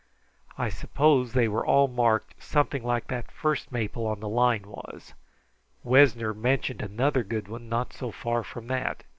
I suppose they are all marked something like that first maple on the line was. Wessner mentioned another good one not so far from that.